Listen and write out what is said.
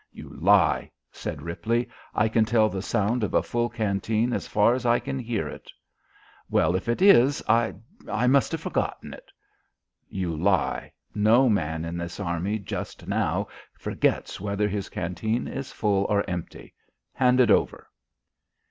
"You lie," said Ripley. "I can tell the sound of a full canteen as far as I can hear it." "Well, if it is, I I must have forgotten it." "You lie; no man in this Army just now forgets whether his canteen is full or empty. Hand it over."